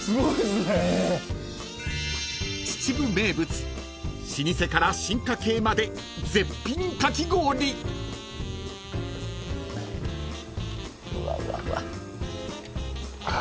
［秩父名物老舗から進化形まで絶品かき氷］あ。